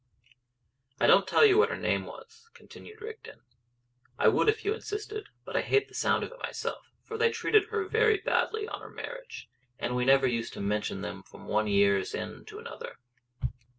"I don't tell you what her name was," continued Rigden. "I would if you insisted. But I hate the sound of it myself, for they treated her very badly on her marriage, and we never used to mention them from one year's end to another."